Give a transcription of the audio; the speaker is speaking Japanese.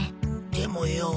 でもよ